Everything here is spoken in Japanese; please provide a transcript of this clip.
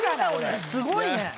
すごいね。